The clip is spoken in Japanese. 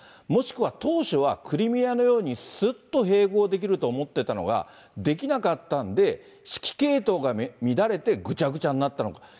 もしくは当初は、クリミアのようにすっと併合できると思っていたのが、できなかったんで、指揮系統が乱れてぐちゃぐちゃになったのか。